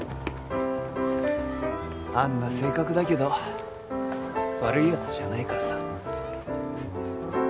あんな性格だけど悪い奴じゃないからさ。